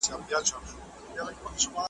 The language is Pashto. هیله انسان هڅو او هاند ته هڅوي.